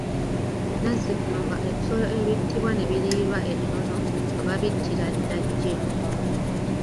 Nazzikuno nga ebisolo ebittibwa ne biriirwa e Nnono nga babittira Ddajje.